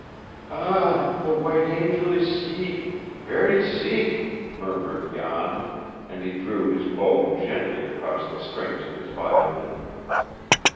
"Ah, the white angel is seek ver' seek," murmured Jan, and he drew his bow gently across the strings of his violin.